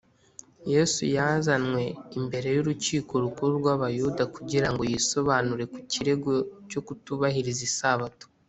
Yesu yazanywe imbere y’Urukiko Rukuru rw’Abayuda kugira ngo yisobanure ku kirego cyo kutubahiriza Isabato.